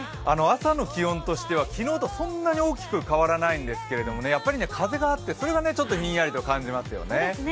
朝の気温としては昨日とそんなに大きく変わらないんですがやっぱり風があって、それがひんやりと感じますよね。